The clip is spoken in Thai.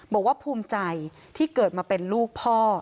บอกว่าภูมิใจที่เกิดมาเป็นลูกพ่อ